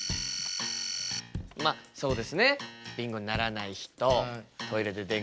まっそうですね。